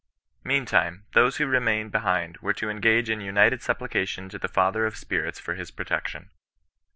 Mean time those who remained behind were to engage in united supplication to the Father of Spirits for his protection.